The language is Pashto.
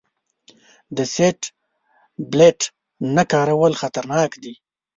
د سیټ بیلټ نه کارول خطرناک دي.